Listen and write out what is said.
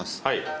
はい。